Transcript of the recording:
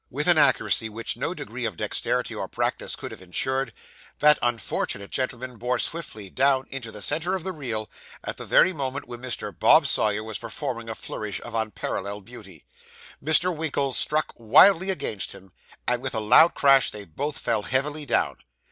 With an accuracy which no degree of dexterity or practice could have insured, that unfortunate gentleman bore swiftly down into the centre of the reel, at the very moment when Mr. Bob Sawyer was performing a flourish of unparalleled beauty. Mr. Winkle struck wildly against him, and with a loud crash they both fell heavily down.